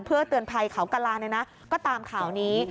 เพื่อเตือนภัยเขากระลาเนี่ยนะก็ตามข่าวนี้